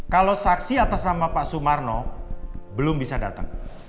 kalau saksi atas nama pak sumarno belum bisa datang